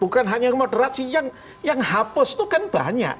bukan hanya moderasi yang hapus itu kan banyak